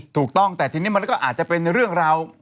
ถูกต้องแต่ทีนี้มันก็อาจจะเป็นเรื่องราว